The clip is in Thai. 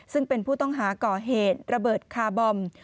ซึ่งเป็นผู้ต้องหาก่อเหตุระเบิดคาร์บอม